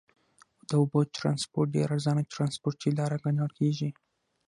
د اوبو ترانسپورت ډېر ارزانه ترنسپورټي لاره ګڼل کیږي.